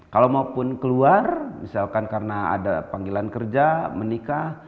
kalau maupun keluar misalkan karena ada panggilan kerja menikah